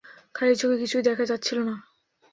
খালি চোখে কিছুই দেখা যাচ্ছিল না।